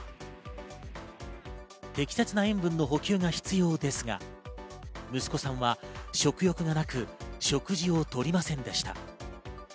適切な塩分の補給が必要ですが息子さんは食欲がなく、食事を取りませんでした。